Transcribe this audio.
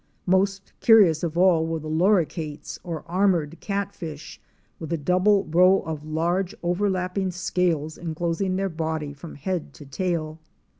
Most curious of all were the Loricates or armored catfish, with a double row of large overlapping scales enclosing their body from head to tail.